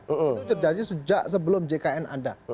itu terjadi sejak sebelum jkn ada